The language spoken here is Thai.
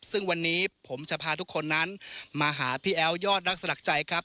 ซึ่งวันนี้ผมจะพาทุกคนนั้นมาหาพี่แอ๋วยอดรักสลักใจครับ